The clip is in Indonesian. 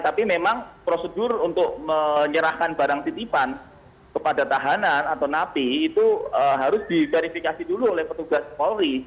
tapi memang prosedur untuk menyerahkan barang titipan kepada tahanan atau napi itu harus diverifikasi dulu oleh petugas polri